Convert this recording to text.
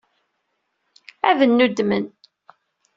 Ad nnuddmen.